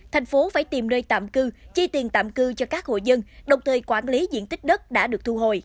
thành phố phải tìm nơi tạm cư chi tiền tạm cư cho các hộ dân đồng thời quản lý diện tích đất đã được thu hồi